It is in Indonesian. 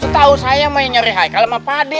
tau saya mau nyari haikal sama pade